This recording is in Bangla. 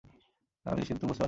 আমি নিশ্চিত তুমি বুঝতে পারছো।